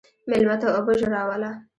مېلمه ته اوبه ژر راوله.